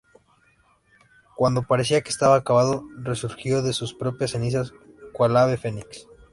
Cuando parecía que estaba acabado, resurgió de sus propias cenizas cual Ave Fénix